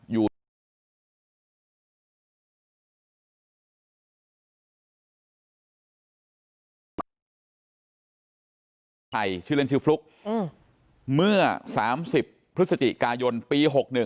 อยู่ที่ฟลุ๊กเมื่อ๓๐พฤศจิกายนปี๖๑